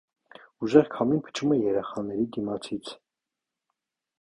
Ուժեղ քամին փչում է երեխաների դիմացից։